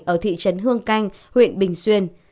ở thị trấn hương canh huyện bình xuyên